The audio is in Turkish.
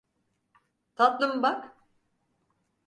Tatlım, bak.